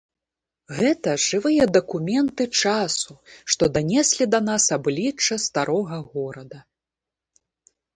Гэта жывыя дакументы часу, што данеслі да нас аблічча старога горада.